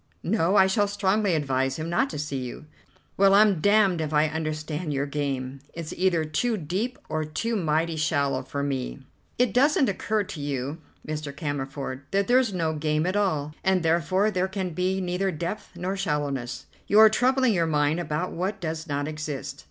"No, I shall strongly advise him not to see you." "Well, I'm damned if I understand your game. It's either too deep or too mighty shallow for me." "It doesn't occur to you, Mr. Cammerford, that there's no game at all, and therefore there can be neither depth nor shallowness. You are troubling your mind about what does not exist."